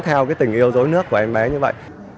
theo cái tình yêu dối nước của em bé như vậy